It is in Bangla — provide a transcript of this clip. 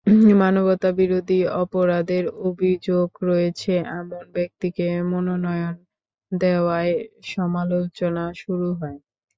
মানবতাবিরোধীর অপরাধের অভিযোগ রয়েছে এমন ব্যক্তিকে মনোনয়ন দেওয়ায় সমালোচনা শুরু হয়।